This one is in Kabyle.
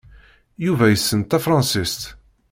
Yuba issen tafṛansist.